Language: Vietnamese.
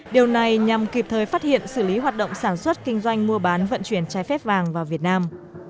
điều này nhằm kịp thời phát hiện xử lý hoạt động sản xuất kinh doanh mua bán vận chuyển trái phép vàng vào việt nam